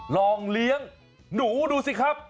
ลองเลี้ยงหนูดูสิครับ